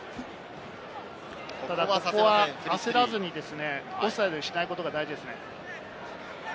ここは焦らずにオフサイドにしないことが大事ですね。